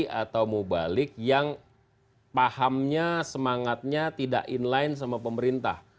ulama atau kiai atau mubalik yang pahamnya semangatnya tidak inline sama pemerintah